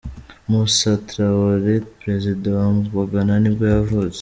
Moussa Traoré, perezida wa wa Ghana nibwo yavutse.